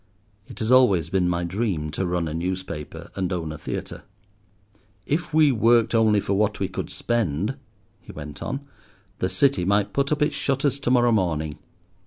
It has always been my dream to run a newspaper and own a theatre. "If we worked only for what we could spend," he went on, "the City might put up its shutters to morrow morning.